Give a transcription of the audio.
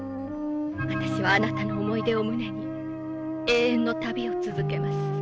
「私はあなたの思い出を胸に永遠の旅を続けます」